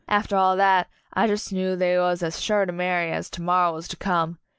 After all that, I jus' knew they was as sure to marry as to morrow was to come.